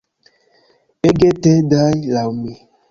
Ege tedaj, laŭ mi.